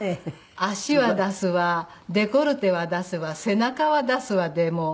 足は出すわデコルテは出すわ背中は出すわでもう。